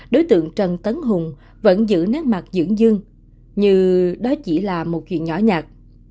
đối tượng trần tấn hùng vẫn giữ nét mặt dưỡng dương như đó chỉ là một chuyện nhỏ nhạt